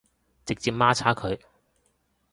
直接媽叉佢